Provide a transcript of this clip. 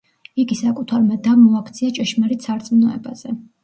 იგი საკუთარმა დამ მოაქცია ჭეშმარიტ სარწმუნოებაზე.